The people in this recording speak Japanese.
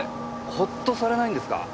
ホッとされないんですか？